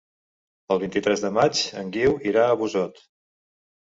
El vint-i-tres de maig en Guiu irà a Busot.